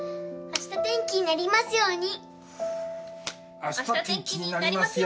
あした天気になりますように。